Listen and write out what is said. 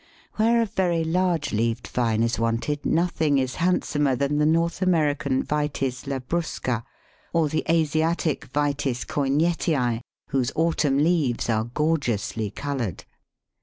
Where a very large leaved Vine is wanted nothing is handsomer than the North American Vitis Labrusca or the Asiatic Vitis Coignettii, whose autumn leaves are gorgeously coloured.